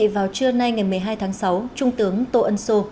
vào trưa nay ngày một mươi hai tháng sáu trung tướng tô ân sô